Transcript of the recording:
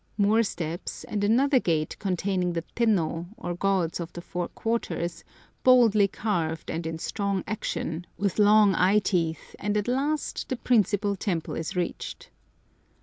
More steps, and another gate containing the Tennô, or gods of the four quarters, boldly carved and in strong action, with long eye teeth, and at last the principal temple is reached.